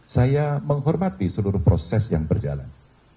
saya menghormati seluruh proses yang berjalan